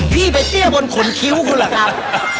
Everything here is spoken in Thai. พี่ไปเตี้ยบนขนคิ้วคุณเหรอครับ